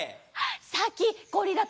さっきゴリラとなか